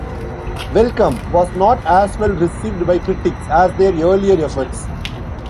"Welcome" was not as well received by critics as their earlier efforts.